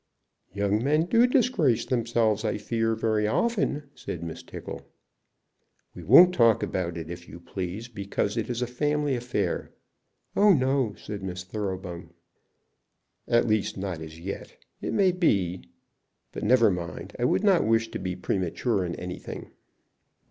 "Young men do disgrace themselves, I fear, very often," said Miss Tickle. "We won't talk about it, if you please, because it is a family affair." "Oh no," said Miss Thoroughbung. "At least, not as yet. It may be; but never mind, I would not wish to be premature in anything."